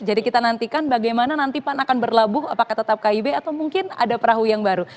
jadi kita nantikan bagaimana nanti pan akan berlabuh apakah tetap kib atau mungkin ada perahu yang baru